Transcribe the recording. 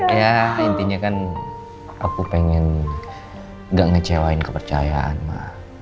ya intinya kan aku pengen gak ngecewain kepercayaan mah